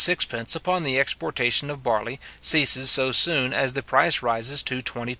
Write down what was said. upon the exportation of barley, ceases so soon as the price rises to 22s.